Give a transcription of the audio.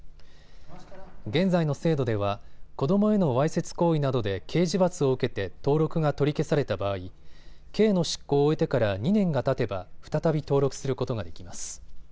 現在の制度では子どもへのわいせつ行為などで刑事罰を受けて登録が取り消された場合、刑の執行を終えてから２年がたてば再び登録することができます。